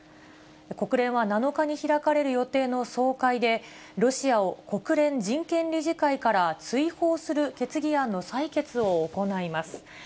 国連は７日に開かれる予定の総会で、ロシアを国連人権理事会から追放する決議案の採決を行います。